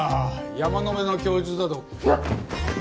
山野辺の供述だと。